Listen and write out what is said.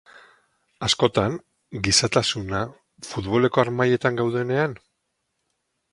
Askotan, gizatasuna futboleko harmailetan gaudenean?